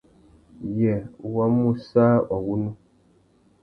Yê wa mú sã wagunú ?